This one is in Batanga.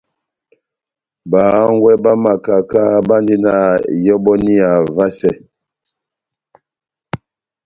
Bahángwɛ bá makaka bandi na ihɔbɔniya vasɛ.